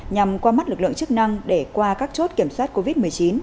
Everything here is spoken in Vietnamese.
nhằm qua mắt lực lượng chức năng để qua các chốt kiểm soát covid một mươi chín